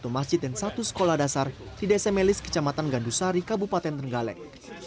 satu masjid dan satu sekolah dasar di desa melis kecamatan gandusari kabupaten trenggalek